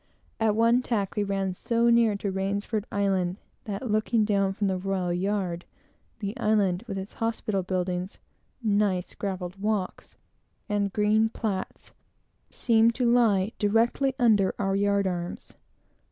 At one tack we ran so near to Rainsford Island, that, looking down from the royal yard, the island, with its hospital buildings, nice gravelled walks, and green plats, seemed to lie directly under our yard arms.